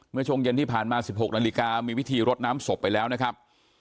เมื่อช่วงเย็นที่ผ่านมา๑๖นาฬิกามีพิธีรดน้ำศพไปแล้วนะครับ